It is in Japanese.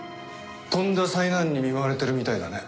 とんだ災難に見舞われてるみたいだね。